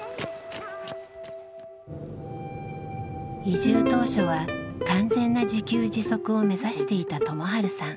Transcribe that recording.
移住当初は完全な自給自足を目指していた友治さん。